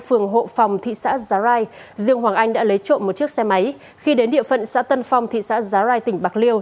khi đến địa phận xã tân phong thị xã giá rai tỉnh bạc liêu